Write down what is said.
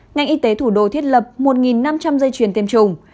ngành y tế thủ đô thiết lập một năm trăm linh dây chuyền tiêm chủng